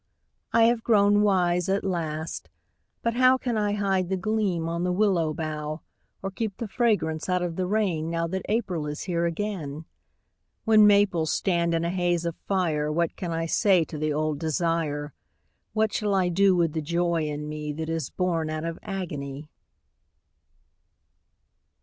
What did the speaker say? I have grown wise at last but how Can I hide the gleam on the willow bough, Or keep the fragrance out of the rain Now that April is here again? When maples stand in a haze of fire What can I say to the old desire, What shall I do with the joy in me That is born out of agony?